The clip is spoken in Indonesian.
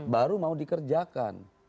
baru mau dikerjakan